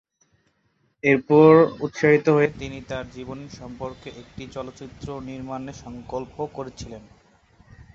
এরপর উৎসাহিত হয়ে, তিনি তার জীবন সম্পর্কে একটি চলচ্চিত্র নির্মাণের সংকল্প করেছিলেন।